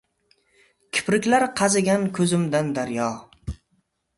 Kipriklar qazigan ko‘zimdan daryo